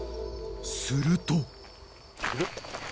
［すると］